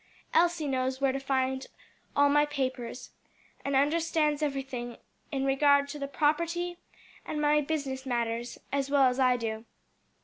Elsie knows where to find all my papers, and understands everything in regard to the property and my business matters as well as I do.